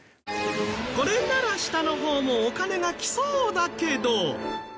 これなら下の方もお金が来そうだけど。